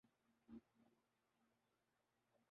کہ شیطان کا تسلط خود انسان کے اپنے عمل کا نتیجہ ہے